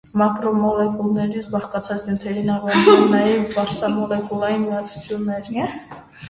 Մակրոմոլեկուլներից բաղկացած նյութերին անվանում են նաև բարձրամոլեկուլային միացություններ։